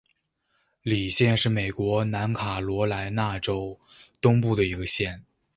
李县是美国南卡罗莱纳州东部的一个县。